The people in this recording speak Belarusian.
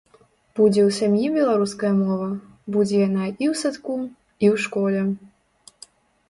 Будзе ў сям'і беларуская мова, будзе яна і ў садку, і ў школе.